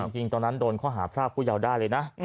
จริงตอนนั้นโดนข้อหาพรากผู้ยาวได้เลยนะ